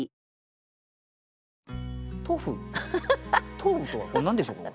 「とふ」とはこれ何でしょうか？